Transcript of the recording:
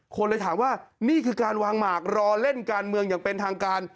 คนเลยถามว่านี่คือการวางหมากรอเล่นการเมืองอย่างเป็นทางการ